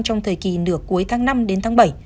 trong thời kỳ nửa cuối tháng năm bảy